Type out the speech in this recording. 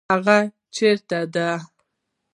هغه چیرې ده؟